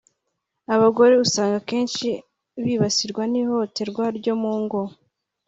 Abagore usanga kenshi bibasirwa n’ihohoterwa ryo mu ngo